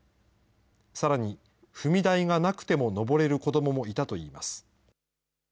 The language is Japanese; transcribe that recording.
さらに、踏み台がなくても登れる子どももいたといいます。